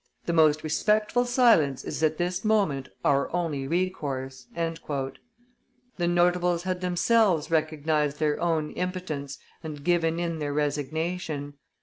The most respectful silence is at this moment our only course." The notables had themselves recognized their own impotence and given in their resignation.